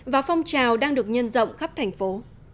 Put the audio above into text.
và phong trào đang được nhân rộng khắp thành phố